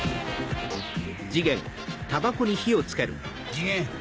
次元。